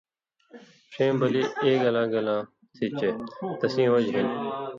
ݜے بلی ایگلا گلاں تھی چے تسیں وجہۡ ہِن